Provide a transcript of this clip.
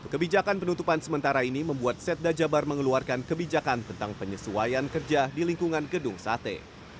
kebijakan penutupan sementara ini membuat setda jabar mengeluarkan kebijakan tentang penyesuaian kerja di lingkungan gedung sate